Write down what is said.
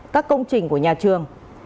các công trình của nhà trường